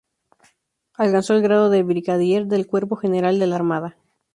Alcanzó el grado de Brigadier del Cuerpo General de la Armada.